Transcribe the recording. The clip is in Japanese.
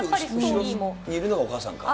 横にいるのがお母さんか。